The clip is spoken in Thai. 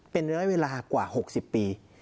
เป็นระยะเวลากว่า๖๐ปี